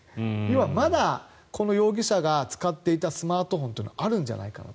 まだこの容疑者が使っていたスマートフォンというのはあるんじゃないかなと。